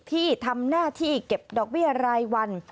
ที่ทำหน้าที่เก็บดอกเบี้ยรายวัน